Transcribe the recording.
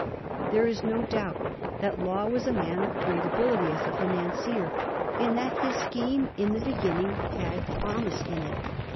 There is no doubt that Law was a man of great ability as a financier, and that his scheme in the beginning had promise in it.